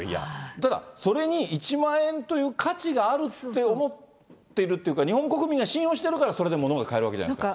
ただ、それに１万円という価値があると思ってるっていうか、日本国民が信用してるからそれで物が買えるわけじゃないですか。